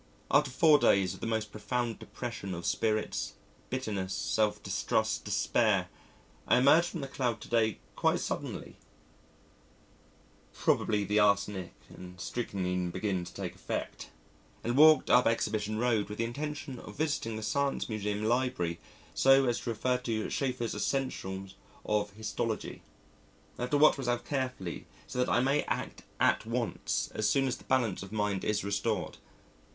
After four days of the most profound depression of spirits, bitterness, self distrust, despair, I emerged from the cloud to day quite suddenly (probably the arsenic and strychnine begins to take effect) and walked up Exhibition Road with the intention of visiting the Science Museum Library so as to refer to Schafer's Essentials of Histology (I have to watch myself carefully so that I may act at once as soon as the balance of mind is restored).